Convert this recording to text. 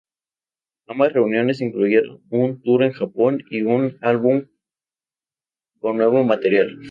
Ambas reuniones incluyeron un tour en Japón y un álbum con nuevo material.